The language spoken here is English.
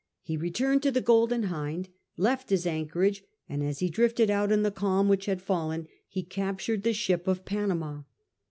He returned to the Golden Hindy left his anchorage, and as he drifted out in the calm which had fallen, he captured the ship of Panama.